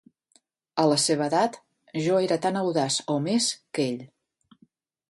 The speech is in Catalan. A la seva edat, jo era tan audaç o més que ell.